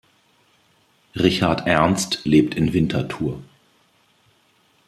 Richard Ernst lebt in Winterthur.